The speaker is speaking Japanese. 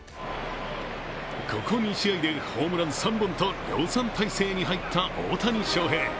ここ２試合でホームラン３本と量産体制に入った大谷翔平。